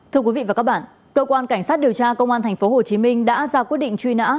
thưa quý vị và các bạn cơ quan cảnh sát điều tra công an tp hcm đã ra quyết định truy nã